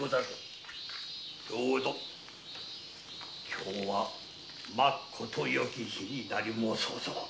今日はまっことよき日になり申そうぞ。